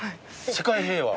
世界平和？